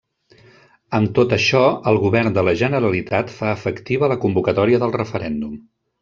Amb tot això, el Govern de la Generalitat fa efectiva la convocatòria del referèndum.